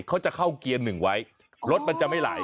เขาจะเข้าเกียร์หนึ่งไว้รถมันจะไม่ไหล